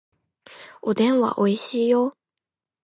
おでんはおいしいよ